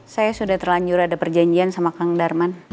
saya sudah terlanjur ada perjanjian sama kang darman